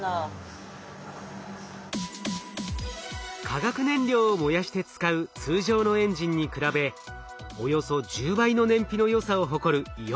化学燃料を燃やして使う通常のエンジンに比べおよそ１０倍の燃費のよさを誇るイオンエンジン。